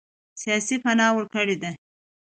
سیاسي پناه ورکړې ده.